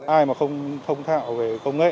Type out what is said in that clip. ai mà không thông thạo về công nghệ